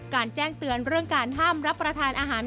แจ้งเตือนเรื่องการห้ามรับประทานอาหาร